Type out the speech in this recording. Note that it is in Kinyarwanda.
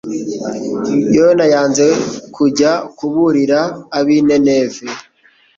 yona yanze kujya kuburira abi nineve